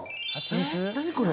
何これ！